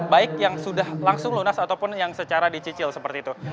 baik yang sudah langsung lunas ataupun yang secara dicicil seperti itu